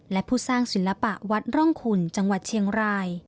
และผู้สร้างศิลปะวัดร่องขุนจังหวัดเชียงราย